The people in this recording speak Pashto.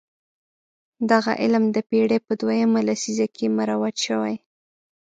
دغه علم د پېړۍ په دویمه لسیزه کې مروج شوی.